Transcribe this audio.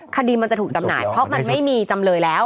คดีมันจะถูกจำหน่ายเพราะมันไม่มีจำเลยแล้ว